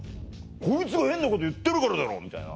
こいつが変なこと言ってるからだろ」みたいな。